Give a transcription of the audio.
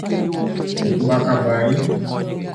Kik mbaka bayi